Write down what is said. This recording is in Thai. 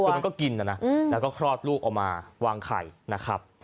คือมันก็กินนะนะแล้วก็คลอดลูกออกมาวางไข่นะครับ